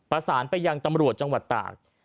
ประสานไปยังตำรวจจังหวัดตาก